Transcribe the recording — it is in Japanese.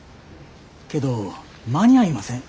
けど間に合いません。